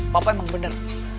papa emang benar